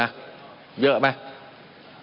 มันมีมาต่อเนื่องมีเหตุการณ์ที่ไม่เคยเกิดขึ้น